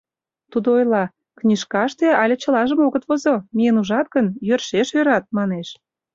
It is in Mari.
Тудо ойла: «Книжкаште але чылажым огыт возо, миен ужат гын, йӧршеш ӧрат», — манеш.